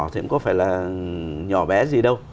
thì cũng có phải là nhỏ bé gì đâu